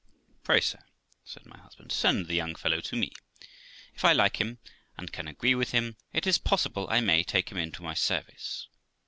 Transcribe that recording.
' Pray, sir ', said my husband, ' send the young fellow to me; if I like him, and can agree with him, it is possible I may take him into my service.'